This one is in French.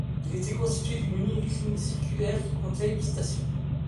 Il était constitué d'une unique ligne circulaire, qui comptait huit stations.